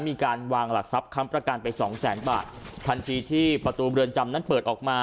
มีการวางหลักทรัพย์ค้ำประกันไปสองแสนบาททันทีที่ประตูเรือนจำนั้นเปิดออกมา